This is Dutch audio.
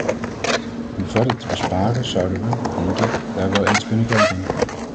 Om verder te besparen zouden we, denk ik, daar wel eens kunnen kijken.